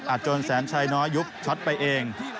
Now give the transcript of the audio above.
จนแสนชัยน้อยยุบช็อตไปเอง